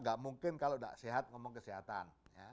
gak mungkin kalau gak sehat ngomong kesehatan